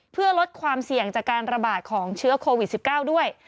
เพื่อลดความเสี่ยงจากการระบาดของเชื้อโควิด๑๙ด้วย